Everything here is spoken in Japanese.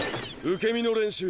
受け身の練習。